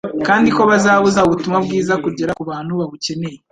kandi ko bazabuza ubutumwa bwiza kugera ku bantu babukeneye.